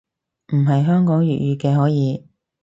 唔係香港粵語嘅可以